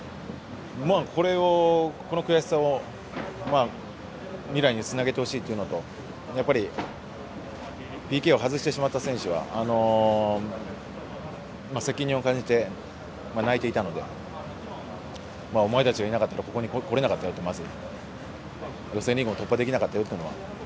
この悔しさを未来につなげてほしいというのとＰＫを外してしまった選手は責任を感じて泣いていたのでお前たちがいなかったらここに来れなかったよと、まず予選リーグを突破できなかったよというのは。